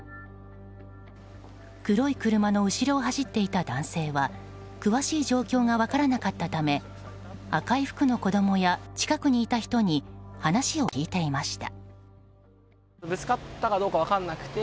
黒い車の後ろを走っていた男性は詳しい状況が分からなかったため赤い服の子供や近くにいた人に話を聞いていました。